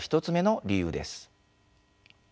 １つ目の理由です。